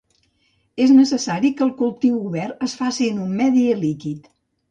És necessari que el cultiu obert es faci en un medi líquid.